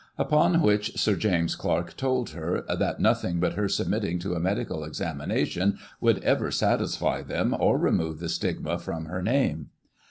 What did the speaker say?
Upon which. Sir James Clark told her, ' that nothing but her submitting to a medical examination would ever satisfy them, or remove the stigma from her name.'